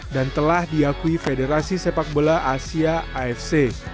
dan telah diakui federasi sepak bola asia afc